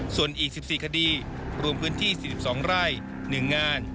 ส่วนอีก๑๔คดีรวมพื้นที่๔๒ไร่๑งาน